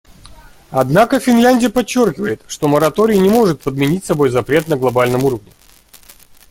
Однако Финляндия подчеркивает, что мораторий не может подменить собой запрет на глобальном уровне.